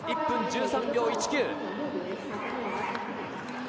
１分１３秒１９。